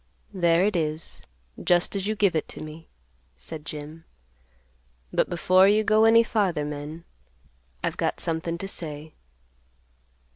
"There it is just as you give it to me," said Jim. "But before you go any farther, men, I've got something to say."